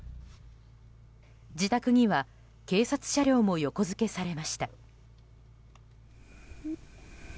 自宅には警察車両も横づけされました。